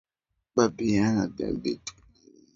Ba biyana bote ba kwetu beko ku mashamba